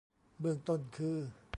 เบื้องต้นคือ